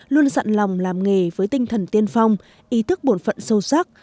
luôn sẵn lòng làm nghề với tinh thần tiên phong ý thức bổn phận sâu sắc